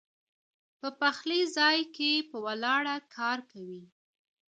پۀ پخلي ځائے کښې پۀ ولاړه کار کوي